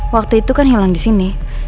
waktu itu kan hilang disini